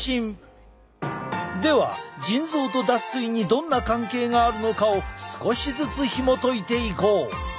では腎臓と脱水にどんな関係があるのかを少しずつひもといていこう。